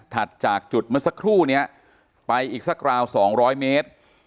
ถัดจากจุดมันสักครู่เนี้ยไปอีกสักกราวสองร้อยเมตร